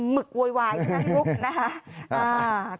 หมึกโว๊ยนะพี่มุก